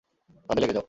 কাজে লেগে যাও।